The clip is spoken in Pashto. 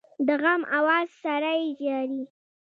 د غم آواز سړی ژاړي